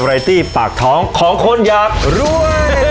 รายตี้ปากท้องของคนยังรวย